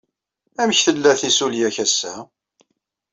Amek tella tissulya-k ass-a?